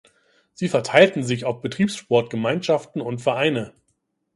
Sie verteilten sich auf Betriebssportgemeinschaften und -vereine.